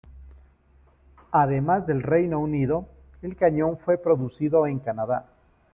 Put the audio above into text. Además del Reino Unido, el cañón fue producido en Canadá.